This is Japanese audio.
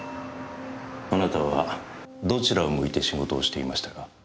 あなたはどちらを向いて仕事をしていましたか？